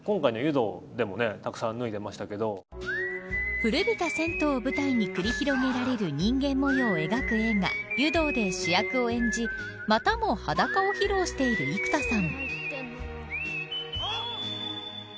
古びた銭湯を舞台に繰り広げられる人間模様を描く映画湯道で、主役を演じまたも裸を披露している生田さん。